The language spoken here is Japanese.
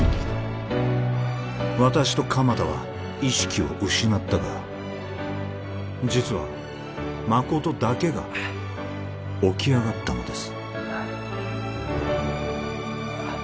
私と鎌田は意識を失ったが実は誠だけが起き上がったのです